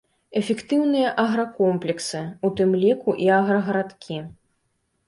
Эфектыўныя агракомплексы, у тым ліку і аграгарадкі.